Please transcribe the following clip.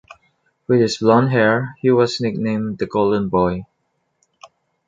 With his blonde hair, he was nicknamed "The Golden Boy".